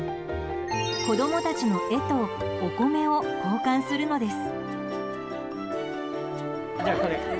子供たちの絵とお米を交換するのです。